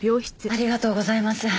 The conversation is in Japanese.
ありがとうございます。